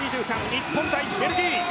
日本対ベルギー。